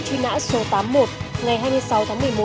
truy nã đối tượng mai văn hải sinh năm một nghìn chín trăm tám mươi